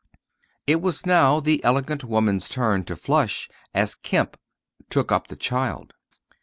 It was now the elegant woman's turn to flush as Kemp took up the child.